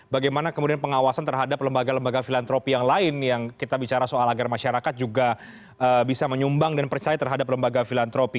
bagaimana kemudian pengawasan terhadap lembaga lembaga filantropi yang lain yang kita bicara soal agar masyarakat juga bisa menyumbang dan percaya terhadap lembaga filantropi